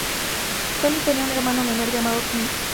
Tommy tenía un hermano menor llamado Tim.